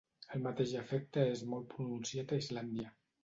El mateix efecte és molt pronunciat a Islàndia.